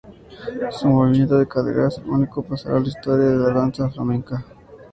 Su movimiento de caderas, único, pasará a la historia de la danza flamenca.